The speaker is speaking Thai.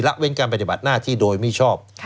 เว้นการปฏิบัติหน้าที่โดยมิชอบ